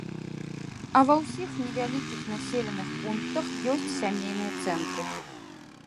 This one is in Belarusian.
А ва ўсіх невялікіх населеных пунктах ёсць сямейныя цэнтры.